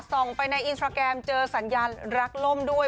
ไปในอินสตราแกรมเจอสัญญาณรักล่มด้วย